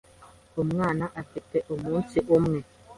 Umwana afite umunsi umwe.